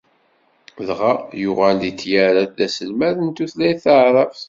Dɣa, yuɣal di Tyaret d aselmad n tutlayt taɛrabt.